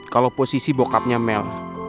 kalau posisi bokapnya mel